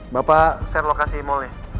bapak share lokasi mallnya